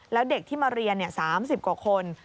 แล้วเด็กที่มาเรียน๓๐กว่าคน